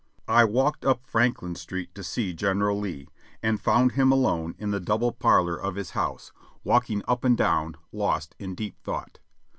I walked up Franklin Street to see General Lee, and found him alone in the double parlor of his house, walking up and down lost in deep thought.